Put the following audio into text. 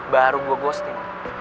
baru gua ghosting